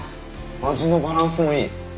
味のバランスもいい。